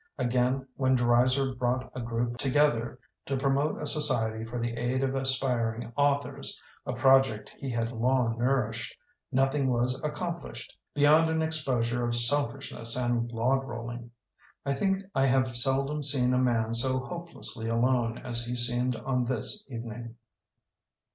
Again, when Dreiser brought a group to gether to promote a society for the aid of aspiring authors, a project he had long nourished, nothing was accom plished beyond an exposure of selfish ness and log rolling. I think I have seldom seen a man so hopelessly alone as he seemed on this evening.